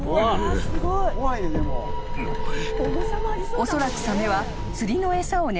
［おそらくサメは］